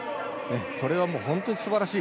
それは、本当にすばらしい。